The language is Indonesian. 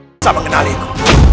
kau bisa mengenaliku